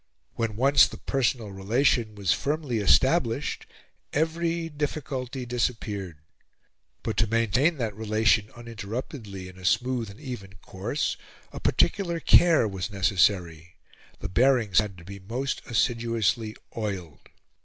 When once the personal relation was firmly established, every difficulty disappeared. But to maintain that relation uninterruptedly in a smooth and even course a particular care was necessary: the bearings had to be most assiduously oiled.